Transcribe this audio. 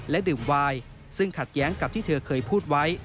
ดื่มวายซึ่งขัดแย้งกับที่เธอเคยพูดไว้